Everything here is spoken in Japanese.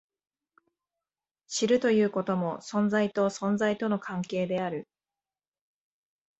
知るということも、存在と存在との関係である。